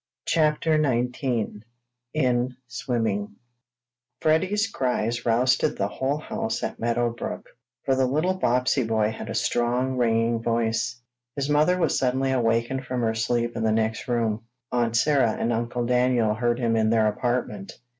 Oh!" CHAPTER XIX IN SWIMMING Freddie's cries roused the whole house at Meadow Brook, for the little Bobbsey boy had a strong, ringing voice. His mother was suddenly awakened from her sleep in the next room. Aunt Sarah and Uncle Daniel heard him in their apartment.